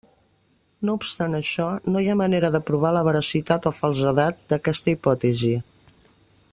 No obstant això, no hi ha manera de provar la veracitat o falsedat d'aquesta hipòtesi.